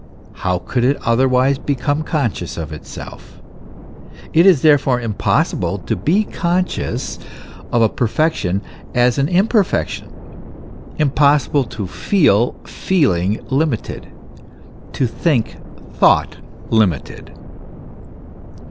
How could it otherwise become conscious of itself? It is therefore impossible to be conscious of a perfection as an imperfection, impossible t feel feeling limited, to think thought limited.